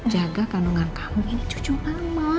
jaga kandungan kamu ini cucu amal